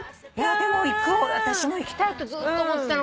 でも私も行きたいとずっと思ってたの。